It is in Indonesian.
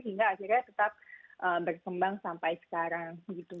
hingga akhirnya tetap berkembang sampai sekarang gitu